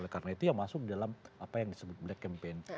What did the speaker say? karena itu yang masuk dalam apa yang disebut black campaign